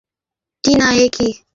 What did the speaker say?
টিনা, এ কী।